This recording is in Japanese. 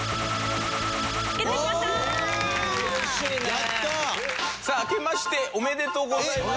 やったー！さああけましておめでとうございます。